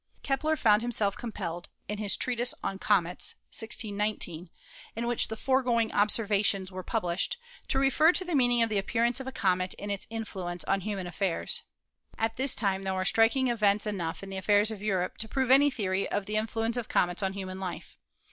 Kepler found himself compelled in his "Treatise on Comets," 1619, in which the foregoing observations were published, to refer to the meaning of the appearance of a comet and its in fluence on human affairs. At this time there were striking events enough in the affairs of Europe to prove any theory of the influence of comets on human life.